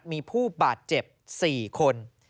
มีผู้บาดเจ็บ๔คน